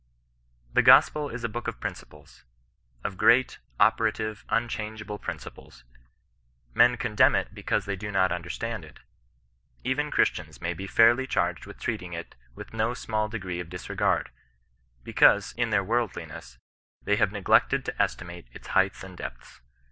"The gospel is a book of principles — of great, opera tive, unchangeable principles. Men condemn it because they do not understand it ; even Christians may be fairly charged with treating it with no small degree of disre gard, because, in their worldliness, they have neglected to estimate its heights and depths.